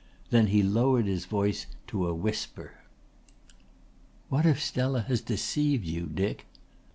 Then he lowered his voice to a whisper. "What if Stella has deceived you, Dick?"